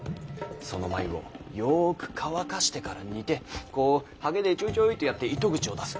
その繭をよぉく乾かしてから煮てこう刷毛でちょいちょいとやって糸口を出す。